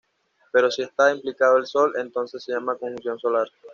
Pero si está implicado el Sol, entonces se llama conjunción solar.